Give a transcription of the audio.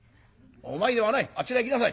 お前ではないあちらへ行きなさい」。